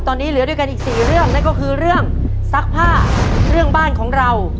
ตอนนี้เหลือด้วยกันอีกสี่เรื่องนั่นก็คือเรื่องซักผ้าเรื่องบ้านของเรา